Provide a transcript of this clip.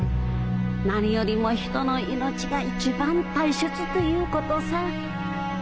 「何よりも人の命が一番大切」ということさぁ。